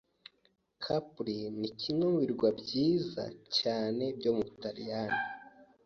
Capri ni kimwe mu birwa byiza cyane byo mu Butaliyani.